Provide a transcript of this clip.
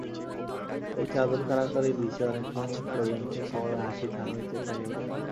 এই চাদর-কাড়াকাড়ির দৃশ্যে অনেকক্ষণ পর্যন্ত কমলার হাসি থামিতে চাহিল না।